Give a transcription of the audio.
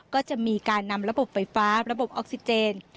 ก็จะมีการนำระบบไฟฟ้าระบบออกซิเจน